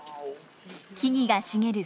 木々が茂る